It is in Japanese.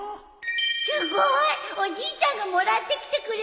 すごーいおじいちゃんがもらってきてくれたの？